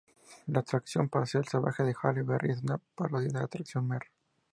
La atracción "Paseo salvaje con Halle Berry" es una parodia de la atracción "Mr.